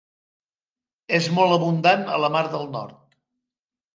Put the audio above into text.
És molt abundant a la Mar del Nord.